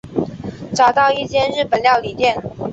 找到一间日本料理店